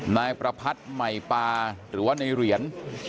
นายประพัทธ์ใหม่ปาหรือว่าในเหรียญ